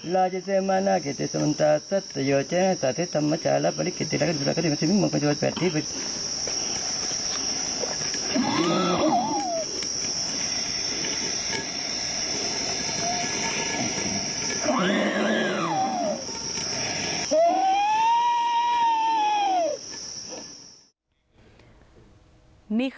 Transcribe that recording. นี่คือตอนทำพิธีนะคะเมื่อสักครู่นี้พระมนาชัยใช่ไหม